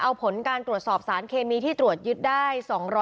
เอาผลการตรวจสอบสารเคมีที่ตรวจยึดได้